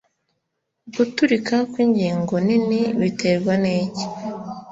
guturika kwingingo nini biterwa niki